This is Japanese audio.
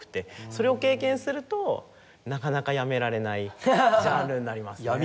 それを経験するとなかなかやめられないジャンルになりますね。